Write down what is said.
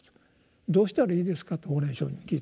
「どうしたらいいですか？」と法然上人に聞いたと。